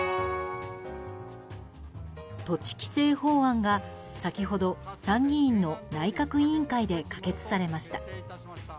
土地規制法案が先ほど参議院の内閣委員会で可決されました。